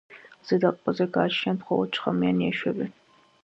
ზედა ყბაზე გააჩნიათ მხოლოდ შხამიანი ეშვები.